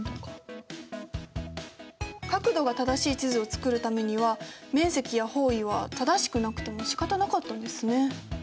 角度が正しい地図を作るためには面積や方位は正しくなくてもしかたなかったんですね。